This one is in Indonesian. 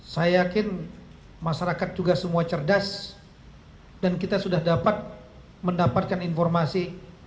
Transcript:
saya yakin masyarakat juga semua cerdas dan kita sudah dapat mendapatkan informasi